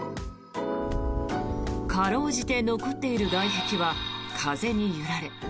かろうじて残っている外壁は風に揺られ